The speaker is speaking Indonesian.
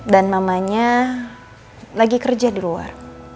dan mamanya lagi kerja di luar